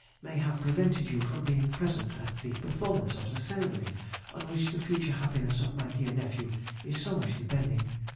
may have prevented you from being present at the performance of the ceremony on which the future happiness of my dear nephew is so much depending.